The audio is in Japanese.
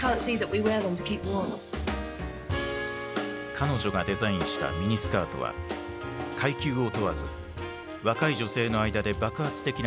彼女がデザインしたミニスカートは階級を問わず若い女性の間で爆発的な人気を集めた。